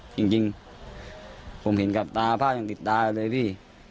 จริงจริงผมเห็นกับตาภาพอย่างติดตาเลยพี่